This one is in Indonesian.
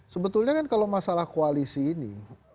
sebetulnya kan kalau masalah koalisi ini